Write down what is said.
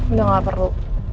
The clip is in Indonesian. udah gak perlu